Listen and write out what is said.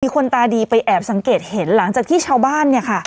คนตาดีไปแอบสังเกตเห็นหลังจากที่ชาวบ้านเนี่ยค่ะ